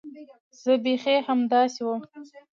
زه بيخي همداسې وم.